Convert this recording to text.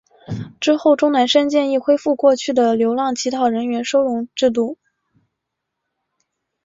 之后钟南山建议恢复过去的流浪乞讨人员收容制度。